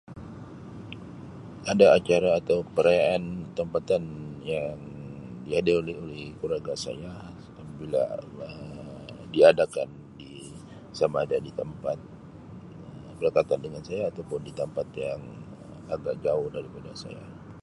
Ada acara atau perayaan tempatan yang diada oleh keluarga saya apabila Um diadakan di sama ada di tempat Um berdekatan dengan saya ataupun di tempat yang agak jauh daripada saya.